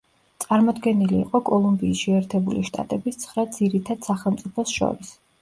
წარმოდგენილი იყო კოლუმბიის შეერთებული შტატების ცხრა ძირითად სახელმწიფოს შორის.